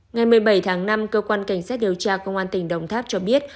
ngày một mươi bảy tháng năm cơ quan cảnh sát điều tra công an tỉnh đồng tháp cho biết